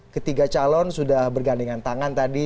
ketiga calon sudah bergandengan tangan tadi